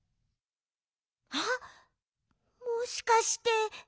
あっもしかして。